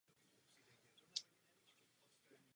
Měli bychom mít buďto jednu, nebo druhou, ale ne obě.